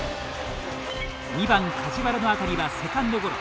２番梶原の当たりはセカンドゴロ。